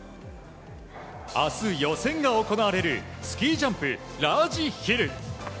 明日、予選が行われるスキージャンプ・ラージヒル。